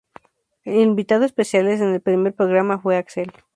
El invitado especial en el primer programa fue Axel.